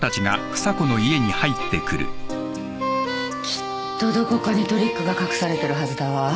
きっとどこかにトリックが隠されてるはずだわ。